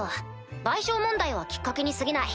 賠償問題はきっかけにすぎない。